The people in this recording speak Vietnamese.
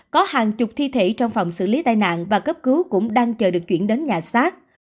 có hàng chục thi thể trong phòng xử lý tai nạn và cấp cứu cũng đang chờ được chuyển đến nhà xác